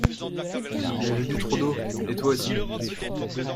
il avait bu trop d'eau et toi aussi.